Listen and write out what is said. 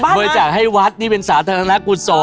บริจาคให้วัดนี่เป็นสาธารณกุศล